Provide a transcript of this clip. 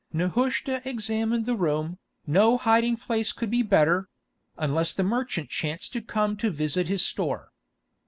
Nehushta examined the room. No hiding place could be better—unless the merchant chanced to come to visit his store.